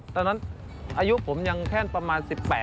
ตอนนั้นอายุผมยังแค่ประมาณ๑๘